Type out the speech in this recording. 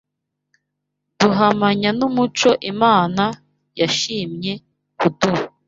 duhamanya n’umucyo Imana yashimye kuduha